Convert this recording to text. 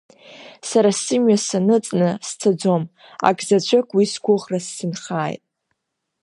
Сара сымҩа саныҵны сцаӡом, акзаҵәык, уи сгәыӷра сзынхааит…